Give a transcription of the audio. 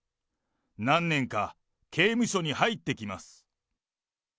何年か刑務所に入ってきます。